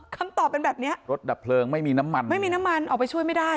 คำตอบเป็นแบบเนี้ยรถดับเพลิงไม่มีน้ำมันไม่มีน้ำมันออกไปช่วยไม่ได้